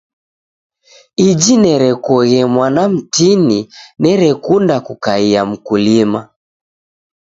Iji nerekoo mwana mtini nerekunda kukaia mkulima.